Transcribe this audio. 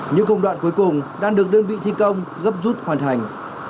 những công đoạn cuối cùng đang được đơn vị thi công gấp rút hoàn thành